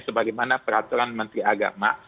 sebagaimana peraturan menteri agama